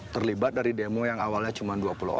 terlibat dari demo yang awalnya cuma